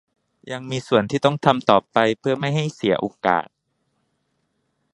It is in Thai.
ยังมีส่วนที่ต้องทำต่อไปเพื่อไม่ให้เสียโอกาส